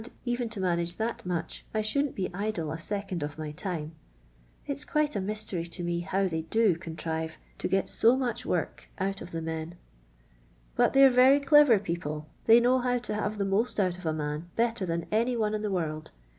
even to manage that much, I shouldn't be idle a second of my time. It's quite a mystery to me how they do contrive to get so much work LONDON LABOUR AND THE LONDON POOR. 305 out of the men. But they are very clever people. They know how to have the most out of a man, better than any one in the world.